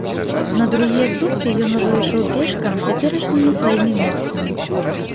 На другія суткі ён ужо ішоў пешкам цяперашнімі сваімі месцамі.